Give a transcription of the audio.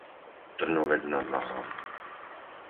Trnovec nad Váhom